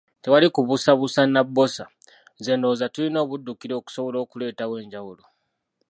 Tewali kubuusabuusa Nabbosa, nze ndowooza tulina obuddukiro okusobola okuleetawo enjawulo.